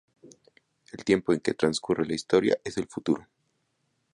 El tiempo en que transcurre la historia es el futuro.